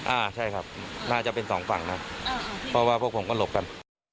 อ่าใช่ครับน่าจะเป็นสองฝั่งนะเพราะว่าพวกผมก็หลบกัน